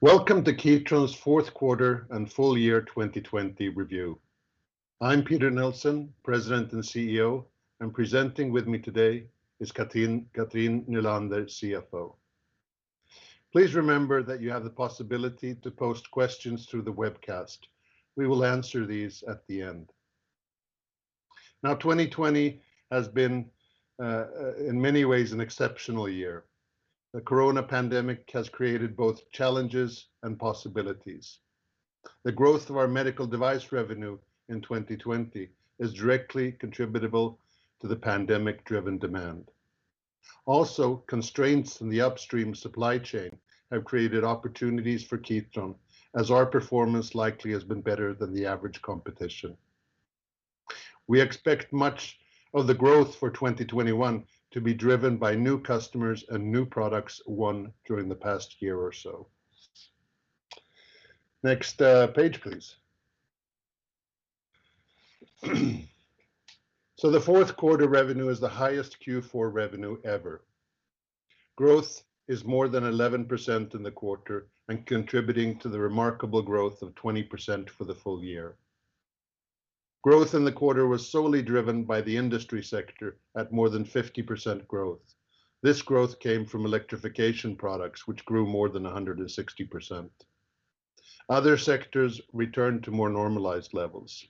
Welcome to Kitron's Fourth Quarter and Full Year 2020 Review. I'm Peter Nilsson, President and CEO, and presenting with me today is Cathrin Nylander, CFO. Please remember that you have the possibility to post questions through the webcast. We will answer these at the end. Now, 2020 has been, in many ways, an exceptional year. The coronavirus pandemic has created both challenges and possibilities. The growth of our medical device revenue in 2020 is directly contributable to the pandemic-driven demand. Also, constraints in the upstream supply chain have created opportunities for Kitron, as our performance likely has been better than the average competition. We expect much of the growth for 2021 to be driven by new customers and new products won during the past year or so. Next page, please. The fourth quarter revenue is the highest Q4 revenue ever. Growth is more than 11% in the quarter and contributing to the remarkable growth of 20% for the full year. Growth in the quarter was solely driven by the industry sector at more than 50% growth. This growth came from Electrification products, which grew more than 160%. Other sectors returned to more normalized levels.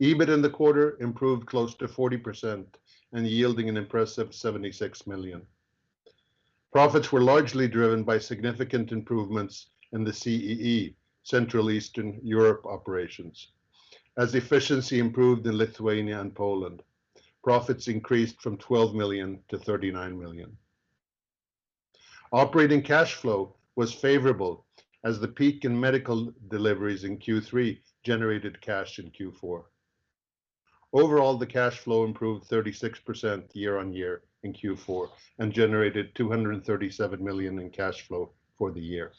EBIT in the quarter improved close to 40% and yielding an impressive 76 million. Profits were largely driven by significant improvements in the CEE, Central Eastern Europe operations. As efficiency improved in Lithuania and Poland, profits increased from 12 million to 39 million. Operating cash flow was favorable as the peak in medical deliveries in Q3 generated cash in Q4. Overall, the cash flow improved 36% year-over-year in Q4 and generated 237 million in cash flow for the year.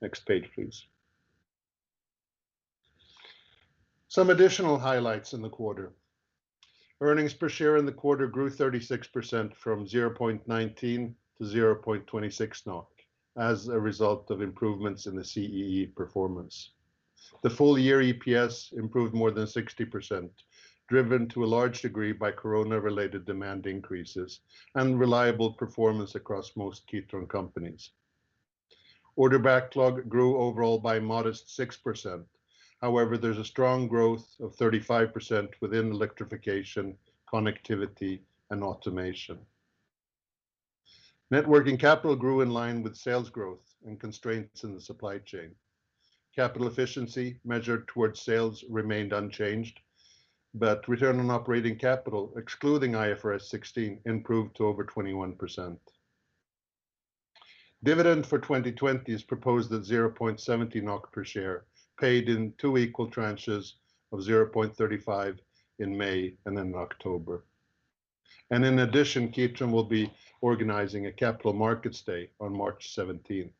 Next page, please. Some additional highlights in the quarter. Earnings per share in the quarter grew 36% from 0.19 to 0.26 as a result of improvements in the CEE performance. The full year EPS improved more than 60%, driven to a large degree by corona related demand increases and reliable performance across most Kitron companies. Order backlog grew overall by a modest 6%. There's a strong growth of 35% within Electrification, Connectivity, and Automation. Net working capital grew in line with sales growth and constraints in the supply chain. Capital efficiency measured towards sales remained unchanged, but return on operating capital, excluding IFRS 16, improved to over 21%. Dividend for 2020 is proposed at 0.70 NOK per share, paid in two equal tranches of 0.35 in May and then October. In addition, Kitron will be organizing a Capital Markets Day on March 17th.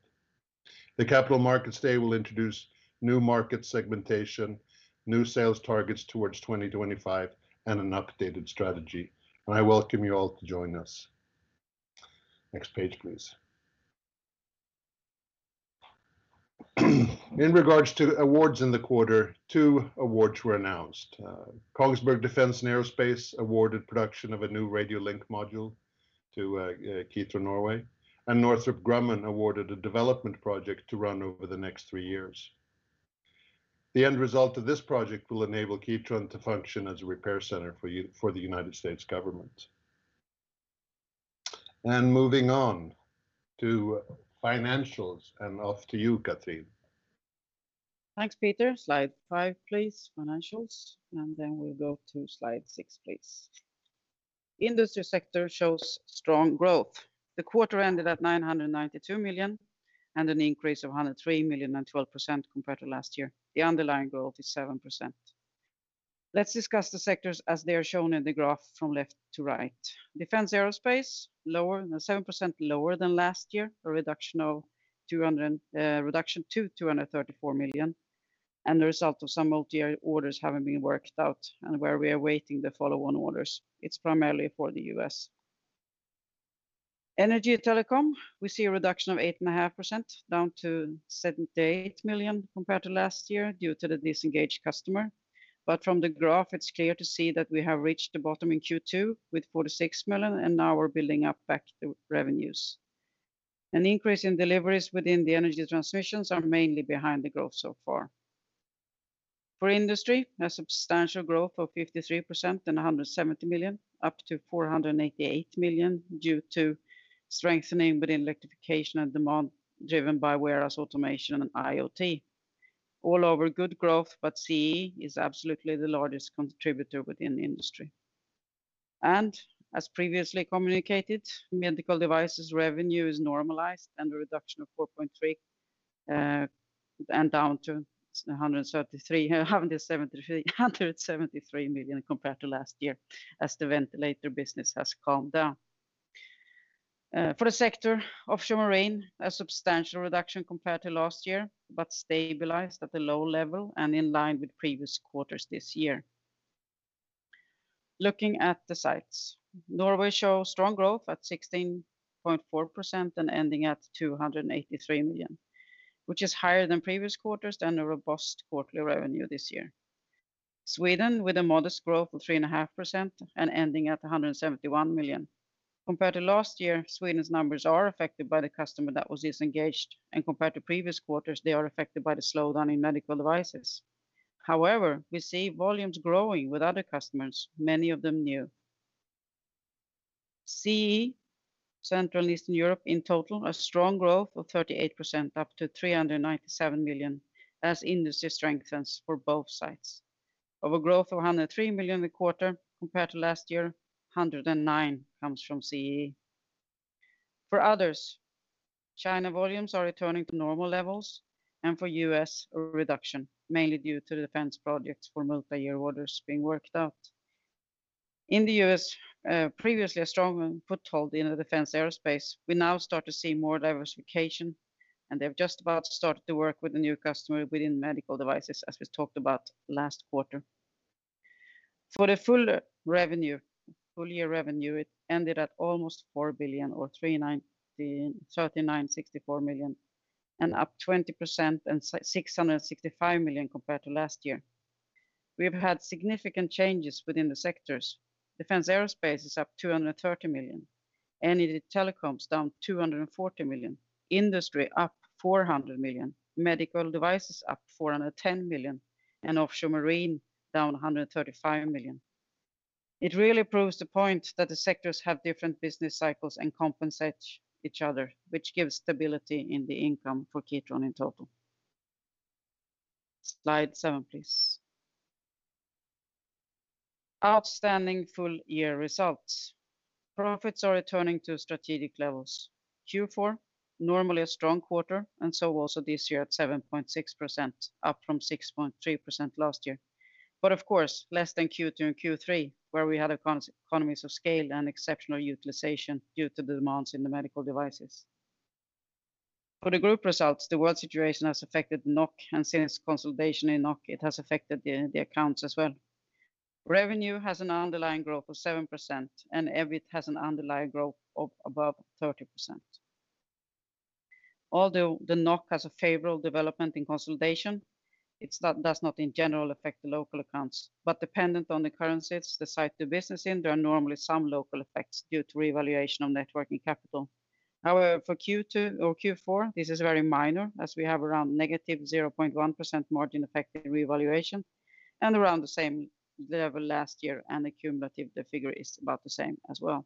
The Capital Markets Day will introduce new market segmentation, new sales targets towards 2025, and an updated strategy. I welcome you all to join us. Next page, please. In regards to awards in the quarter, two awards were announced. Kongsberg Defence & Aerospace awarded production of a new radio link module to Kitron Norway. Northrop Grumman awarded a development project to run over the next three years. The end result of this project will enable Kitron to function as a repair center for the U.S. government. Moving on to financials, off to you, Cathrin. Thanks, Peter. Slide five, please, financials. Then we'll go to slide six, please. Industry sector shows strong growth. The quarter ended at 992 million and an increase of 103 million and 12% compared to last year. The underlying growth is 7%. Let's discuss the sectors as they are shown in the graph from left to right. defense aerospace, 7% lower than last year, a reduction to 234 million, and the result of some multi-year orders having been worked out and where we are awaiting the follow-on orders. It's primarily for the U.S. energy telecoms, we see a reduction of 8.5%, down to 78 million compared to last year due to the disengaged customer. From the graph, it's clear to see that we have reached the bottom in Q2 with 46 million, and now we're building up back the revenues. An increase in deliveries within the energy transmission are mainly behind the growth so far. For industry, a substantial growth of 53% and 170 million up to 488 million due to strengthening within Electrification and demand driven by warehouse automation and IoT. All over good growth, but CEE is absolutely the largest contributor within the industry. As previously communicated, medical devices revenue is normalized and a reduction of 4.3, and down to 173 million compared to last year as the ventilator business has calmed down. For the sector offshore marine, a substantial reduction compared to last year, but stabilized at a low level and in line with previous quarters this year. Looking at the sites, Norway shows strong growth at 16.4% and ending at 283 million, which is higher than previous quarters and a robust quarterly revenue this year. Sweden with a modest growth of 3.5% and ending at 171 million. Compared to last year, Sweden's numbers are affected by the customer that was disengaged. Compared to previous quarters, they are affected by the slowdown in medical devices. However, we see volumes growing with other customers, many of them new. CEE, Central Eastern Europe, in total, a strong growth of 38%, up to 397 million as industry strengthens for both sides. Of a growth of 103 million in the quarter compared to last year, 109 comes from CEE. For others, China volumes are returning to normal levels. For U.S., a reduction, mainly due to the defense projects for multi-year orders being worked out. In the U.S., previously a strong foothold in the defense aerospace. We now start to see more diversification. They've just about started to work with a new customer within medical devices, as we talked about last quarter. For the full year revenue, it ended at almost 4 billion or 3,964 million, up 20% and 665 million compared to last year. We have had significant changes within the sectors. Defense aerospace is up 230 million. Energy telecoms down 240 million. Industry up 400 million. Medical devices up 410 million. Offshore marine down 135 million. It really proves the point that the sectors have different business cycles and compensate each other, which gives stability in the income for Kitron in total. Slide seven, please. Outstanding full year results. Profits are returning to strategic levels. Q4, normally a strong quarter, so also this year at 7.6%, up from 6.3% last year. Of course, less than Q2 and Q3, where we had economies of scale and exceptional utilization due to the demands in the medical devices. For the group results, the world situation has affected NOK, and since consolidation in NOK, it has affected the accounts as well. Revenue has an underlying growth of 7%, and EBIT has an underlying growth of above 30%. Although the NOK has a favorable development in consolidation, it does not in general affect the local accounts. Dependent on the currencies, the site they're business in, there are normally some local effects due to revaluation of net working capital. However, for Q4, this is very minor as we have around negative 0.1% margin effect in revaluation, and around the same level last year, and the cumulative figure is about the same as well.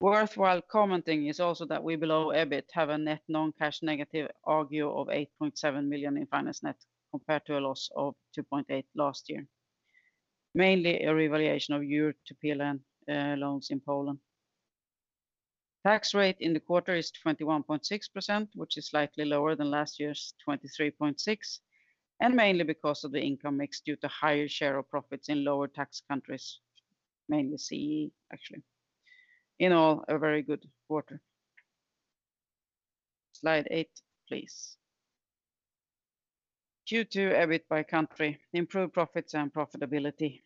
Worthwhile commenting is also that we below EBIT have a net non-cash negative charge of 8.7 million in finance net compared to a loss of 2.8 last year. Mainly a revaluation of euro to PLN loans in Poland. Tax rate in the quarter is 21.6%, which is slightly lower than last year's 23.6%, and mainly because of the income mix due to higher share of profits in lower tax countries, mainly CEE, actually. In all, a very good quarter. Slide eight, please. Q2 EBIT by country, improved profits and profitability.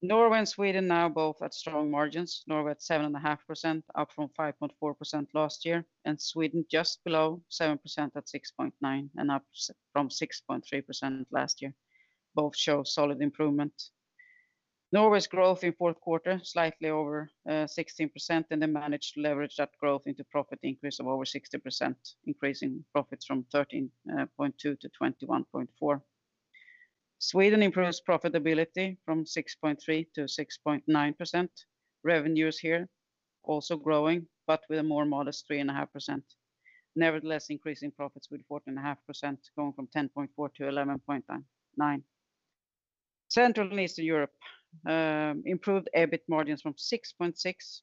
Norway and Sweden now both at strong margins, Norway at 7.5% up from 5.4% last year, and Sweden just below 7% at 6.9% and up from 6.3% last year. Both show solid improvement. Norway's growth in fourth quarter, slightly over 16%, and they managed to leverage that growth into profit increase of over 60%, increasing profits from 13.2 to 21.4. Sweden improves profitability from 6.3% to 6.9%. Revenues here also growing, but with a more modest 3.5%. Nevertheless, increasing profits with 14.5% going from 10.4 to 11.9. Central and Eastern Europe improved EBIT margins from 6.6%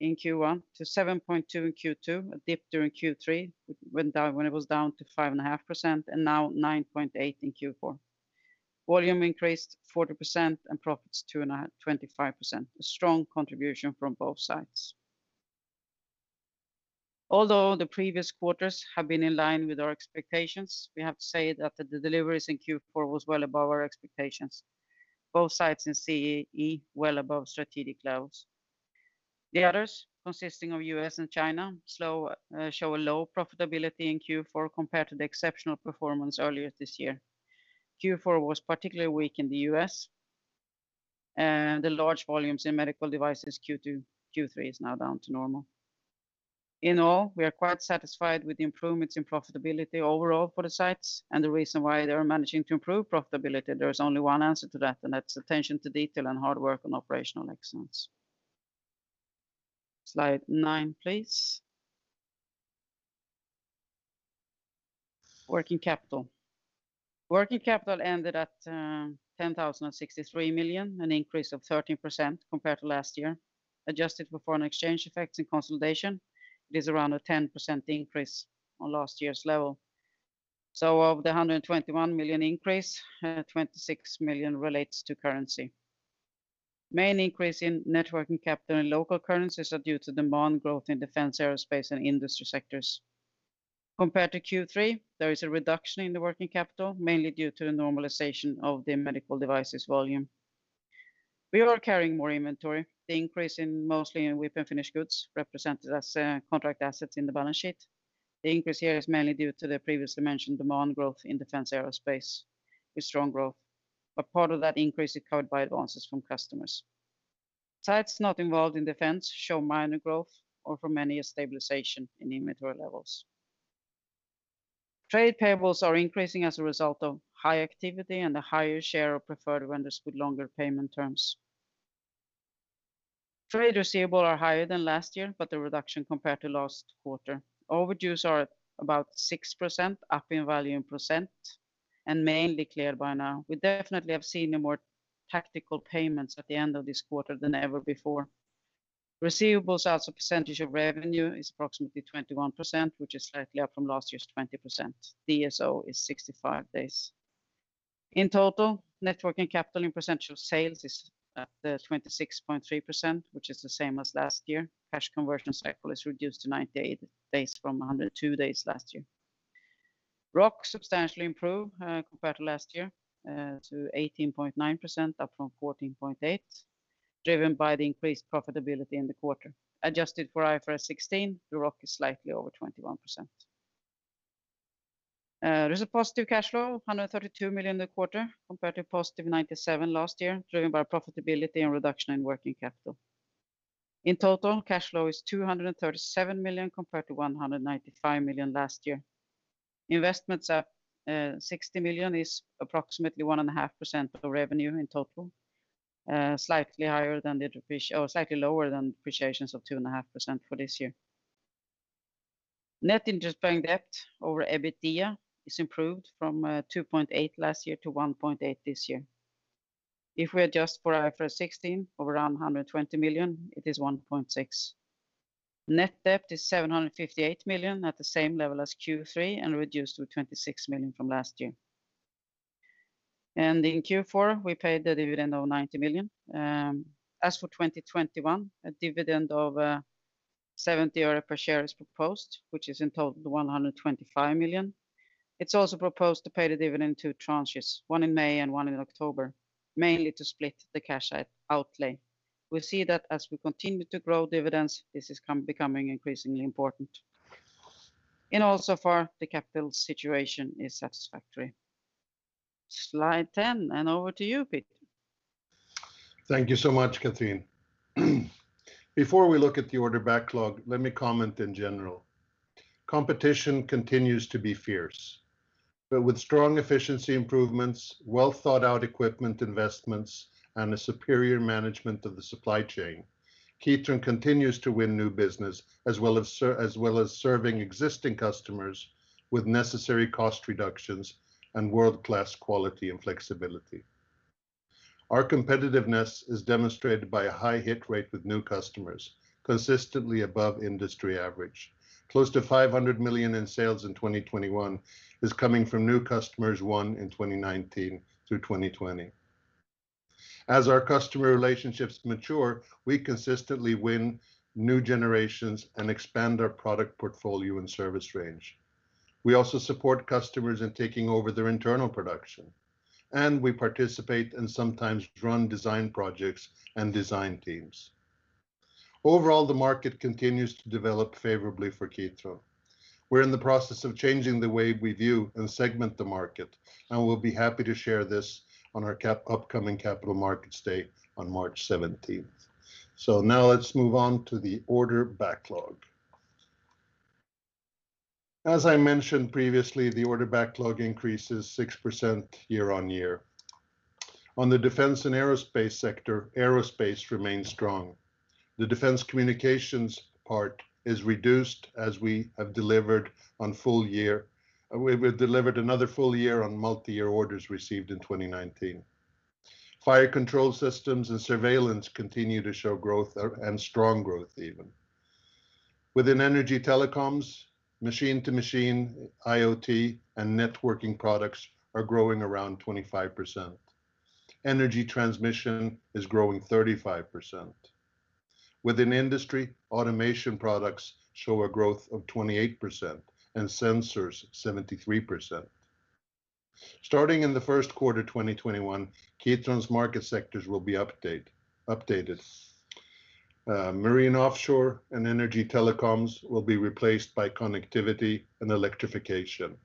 in Q1 to 7.2% in Q2, a dip during Q3 when it was down to 5.5%, and now 9.8% in Q4. Volume increased 40% and profits 25%. A strong contribution from both sides. The previous quarters have been in line with our expectations, we have to say that the deliveries in Q4 was well above our expectations. Both sides in CEE well above strategic levels. The others, consisting of U.S. and China, show a low profitability in Q4 compared to the exceptional performance earlier this year. Q4 was particularly weak in the U.S. The large volumes in medical devices Q2, Q3 is now down to normal. In all, we are quite satisfied with the improvements in profitability overall for the sites, and the reason why they are managing to improve profitability, there is only one answer to that, and that's attention to detail and hard work on operational excellence. Slide nine, please. Working capital. Working capital ended at 10,063 million, an increase of 13% compared to last year. Adjusted for foreign exchange effects and consolidation, it is around a 10% increase on last year's level. Of the 121 million increase, 26 million relates to currency. Main increase in net working capital in local currencies are due to demand growth in defense aerospace and industry sectors. Compared to Q3, there is a reduction in the working capital, mainly due to the normalization of the medical devices volume. We are carrying more inventory. The increase in mostly WIP and finished goods represented as contract assets in the balance sheet. The increase here is mainly due to the previously mentioned demand growth in defense aerospace with strong growth, but part of that increase is covered by advances from customers. Sites not involved in defense show minor growth or for many, a stabilization in inventory levels. Trade payables are increasing as a result of high activity and a higher share of preferred vendors with longer payment terms. Trade receivables are higher than last year, but a reduction compared to last quarter. Overdues are about 6%, up in value in percent, and mainly cleared by now. We definitely have seen more tactical payments at the end of this quarter than ever before. Receivables as a percentage of revenue is approximately 21%, which is slightly up from last year's 20%. DSO is 65 days. In total, net working capital in percentage of sales is at 26.3%, which is the same as last year. Cash conversion cycle is reduced to 98 days from 102 days last year. ROC substantially improved compared to last year to 18.9%, up from 14.8%, driven by the increased profitability in the quarter. Adjusted for IFRS 16, the ROC is slightly over 21%. There is a positive cash flow of 132 million in the quarter compared to positive 97 million last year, driven by profitability and reduction in working capital. In total, cash flow is 237 million compared to 195 million last year. Investments up 60 million is approximately 1.5% of revenue in total. Slightly lower than depreciation of 2.5% for this year. Net interest-bearing debt over EBITDA is improved from 2.8% last year to 1.8% this year. If we adjust for IFRS 16 of around 120 million, it is 1.6%. Net debt is 758 million at the same level as Q3 and reduced to 26 million from last year. In Q4, we paid the dividend of 90 million. As for 2021, a dividend of NOK 0.70 per share is proposed, which is in total 125 million. It's also proposed to pay the dividend in two tranches, one in May and one in October, mainly to split the cash outlay. We see that as we continue to grow dividends, this is becoming increasingly important. In all so far, the capital situation is satisfactory. Slide 10, over to you, Peter. Thank you so much, Cathrin. Before we look at the order backlog, let me comment in general. Competition continues to be fierce, but with strong efficiency improvements, well-thought-out equipment investments, and a superior management of the supply chain, Kitron continues to win new business as well as serving existing customers with necessary cost reductions and world-class quality and flexibility. Our competitiveness is demonstrated by a high hit rate with new customers, consistently above industry average. Close to 500 million in sales in 2021 is coming from new customers won in 2019 through 2020. As our customer relationships mature, we consistently win new generations and expand our product portfolio and service range. We also support customers in taking over their internal production, and we participate and sometimes run design projects and design teams. Overall, the market continues to develop favorably for Kitron. We're in the process of changing the way we view and segment the market, and we'll be happy to share this on our upcoming Capital Markets Day on March 17th. Now let's move on to the order backlog. As I mentioned previously, the order backlog increase is 6% year-over-year. On the Defense Aerospace sector, aerospace remains strong. The defense communications part is reduced as we have delivered another full year on multi-year orders received in 2019. Fire control systems and surveillance continue to show growth, and strong growth even. Within energy telecoms, machine-to-machine, IoT, and networking products are growing around 25%. Energy transmission is growing 35%. Within industry, automation products show a growth of 28% and sensors 73%. Starting in the first quarter 2021, Kitron's market sectors will be updated. Marine and energy telecoms will be replaced by Connectivity and Electrification.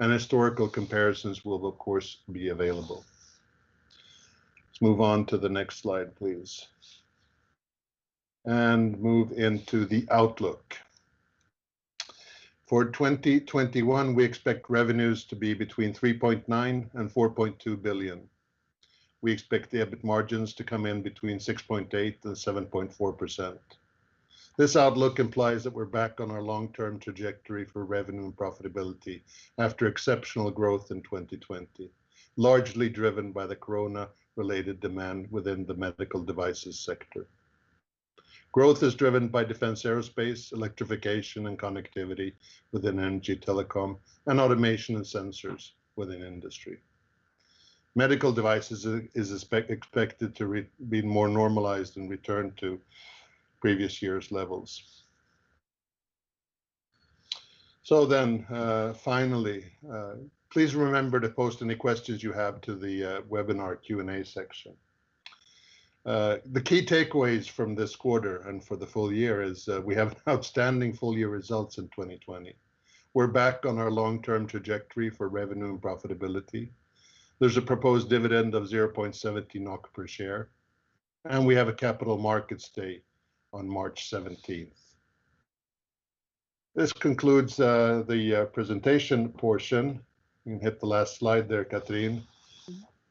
Historical comparisons will, of course, be available. Let's move on to the next slide, please. Move into the outlook. For 2021, we expect revenues to be between 3.9 billion and 4.2 billion. We expect the EBIT margins to come in between 6.8% and 7.4%. This outlook implies that we're back on our long-term trajectory for revenue and profitability after exceptional growth in 2020, largely driven by the corona-related demand within the medical devices sector. Growth is driven by defense aerospace, Electrification, and Connectivity within energy, telecom, and automation and sensors within industry. Medical devices is expected to be more normalized and return to previous years' levels. Finally, please remember to post any questions you have to the webinar Q&A section. The key takeaways from this quarter and for the full year is we have outstanding full-year results in 2020. We're back on our long-term trajectory for revenue and profitability. There's a proposed dividend of 0.70 NOK per share. We have a Capital Markets Day on March 17th. This concludes the presentation portion. You can hit the last slide there,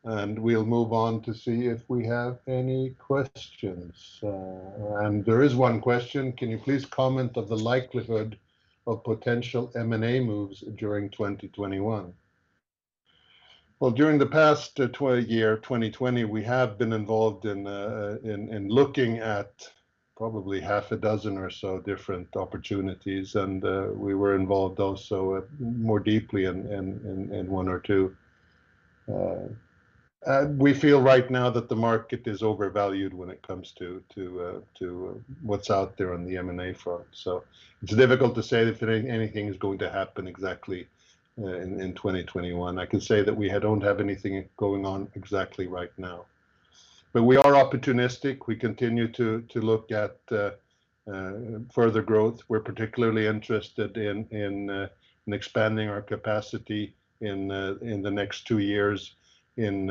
Cathrin. We'll move on to see if we have any questions. There is one question: Can you please comment on the likelihood of potential M&A moves during 2021? Well, during the past year, 2020, we have been involved in looking at probably half a dozen or so different opportunities. We were involved also more deeply in one or two. We feel right now that the market is overvalued when it comes to what's out there on the M&A front. It's difficult to say if anything is going to happen exactly in 2021. I can say that we don't have anything going on exactly right now, but we are opportunistic. We continue to look at further growth. We're particularly interested in expanding our capacity in the next two years in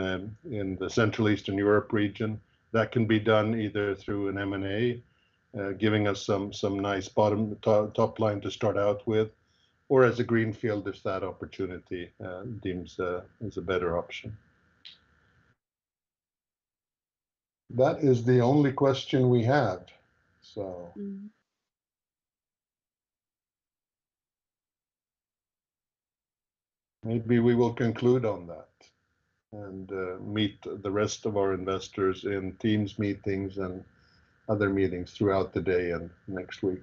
the Central Eastern Europe region. That can be done either through an M&A, giving us some nice top line to start out with, or as a greenfield, if that opportunity deems as a better option. That is the only question we have, so maybe we will conclude on that and meet the rest of our investors in Teams meetings and other meetings throughout the day and next week.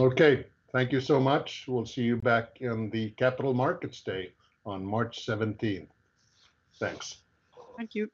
Okay, thank you so much. We'll see you back on the Capital Markets Day on March 17th. Thanks. Thank you.